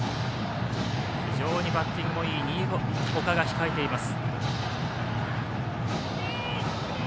非常にバッティングもいい新岡が控えています。